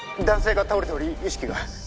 男性が倒れており意識が